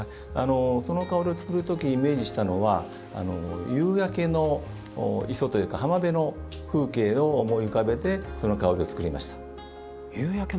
その香りを作るときにイメージしたのは夕焼けの磯というか浜辺の風景を思い浮かべてその香りを作りました。